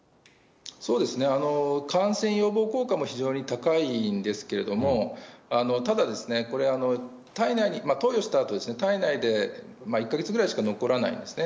そうですね、感染予防効果も非常に高いんですけれども、ただ、これ、体内に投与したあとですね、体内で１か月ぐらいしか残らないんですね。